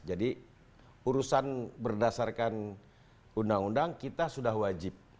jadi urusan berdasarkan undang undang kita sudah wajib